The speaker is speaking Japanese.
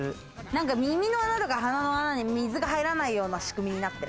耳の穴とか鼻の穴に水が入らないような仕組みになっている。